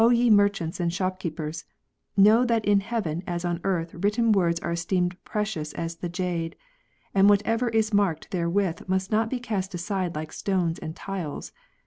ye merchants and shopkeepers, know that in heaven as on earth written words are esteemed precious as the jade, and whatever is marked therewith must not be cast aside like stones and tiles.